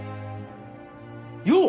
よう！